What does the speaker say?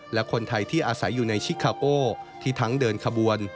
และคนไทยที่อาศัยอยู่ในชิคาโป้ที่ทั้งเดินขบวน